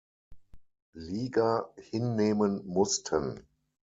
Liga hinnehmen mussten.